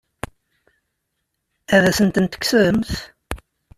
Ad asent-ten-tekksemt?